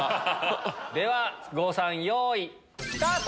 では郷さんよいスタート！